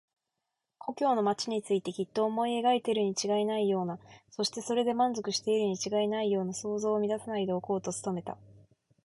故郷の町についてきっと思い描いているにちがいないような、そしてそれで満足しているにちがいないような想像を乱さないでおこうと努めた。